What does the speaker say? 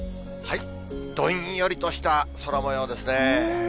どんよりとした空もようですね。